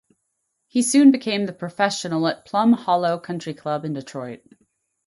He soon became the professional at Plum Hollow Country Club in Detroit.